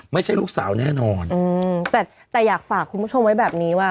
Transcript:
ไม่ใช่ลูกสาวแน่นอนอืมแต่แต่อยากฝากคุณผู้ชมไว้แบบนี้ว่า